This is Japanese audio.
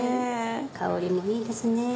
香りもいいですね。